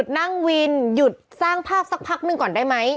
หยุดสร้างภาพสักพักหนึ่งก่อนได้ไหม